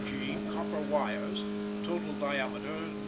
G. copper wires (total diameter No.